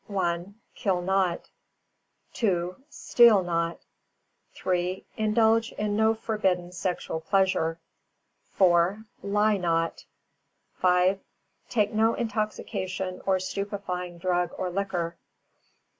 _: (1) Kill not; (2) Steal not; (3) Indulge in no forbidden sexual pleasure; (4) Lie not; (5) Take no intoxication or stupefying drug or liquor.